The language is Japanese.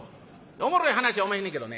おもろい話はおまへんねんけどね